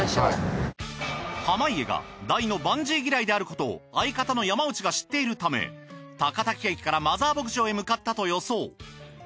濱家が大のバンジー嫌いであることを相方の山内が知っているため高滝駅からマザー牧場へ向かったと予想。